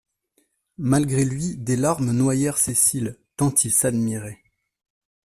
Malgré lui, des larmes noyèrent ses cils, tant il s'admirait.